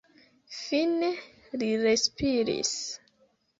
Fine li respiris.